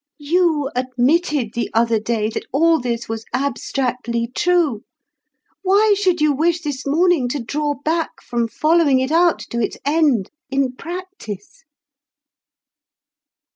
You admitted the other day that all this was abstractly true; why should you wish this morning to draw back from following it out to its end in practice?"